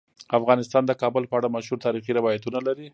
افغانستان د کابل په اړه مشهور تاریخی روایتونه لري.